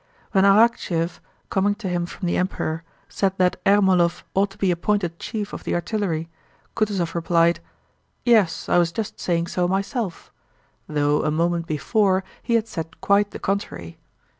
When Arakchéev, coming to him from the Emperor, said that Ermólov ought to be appointed chief of the artillery, Kutúzov replied: "Yes, I was just saying so myself," though a moment before he had said quite the contrary.